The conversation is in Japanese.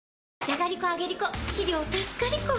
じゃがりこ、あげりこ！